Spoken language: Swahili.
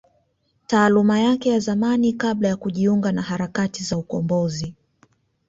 Taaluma yake ya zamani kabla ya kujiunga na harakati za ukombozi